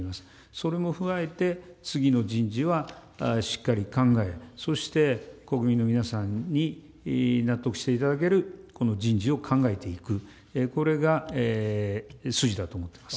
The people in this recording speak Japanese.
それも踏まえて、次の人事はしっかり考え、そして国民の皆さんに納得していただける、この人事を考えていく、これが筋だと思っています。